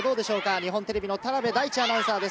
日本テレビの田辺大智アナウンサーです。